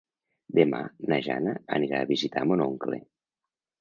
Demà na Jana anirà a visitar mon oncle.